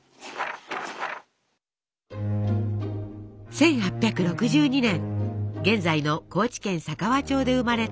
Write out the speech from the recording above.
１８６２年現在の高知県佐川町で生まれた牧野富太郎。